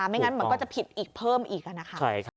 ไม่งั้นมันก็จะผิดอีกเพิ่มอีกนะคะ